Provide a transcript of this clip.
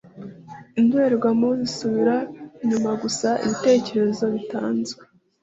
indorerwamo zisubira inyuma gusa ibitekerezo bitazwi